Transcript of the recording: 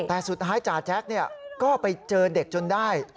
แต่สุดท้ายจ่าแจ๊กก็ไปเจอเด็กจนได้